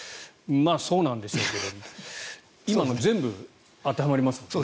そうなんでしょうけども今の全部当てはまりますからね。